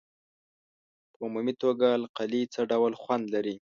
په عمومي توګه القلي څه ډول خوند لري؟